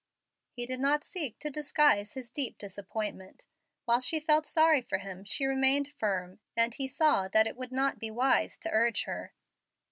He did not seek to disguise his deep disappointment. While she felt sorry for him, she remained firm, and he saw that it would not be wise to urge her.